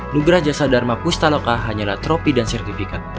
nugra jasa dharma pustaloka hanyalah tropi dan sertifikat